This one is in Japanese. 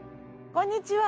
こんにちは。